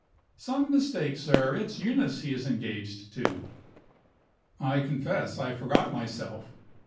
"Some mistake, sir; it's Eunice he is engaged to." I confess I forgot myself.